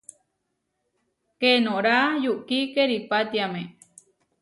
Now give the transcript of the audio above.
Keenorá yukí keripátiame.